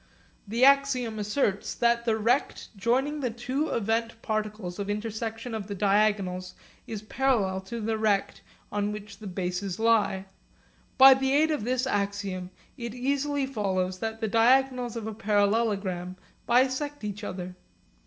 The axiom asserts that the rect joining the two event particles of intersection of the diagonals is parallel to the rect on which the bases lie. By the aid of this axiom it easily follows that the diagonals of a parallelogram bisect each other.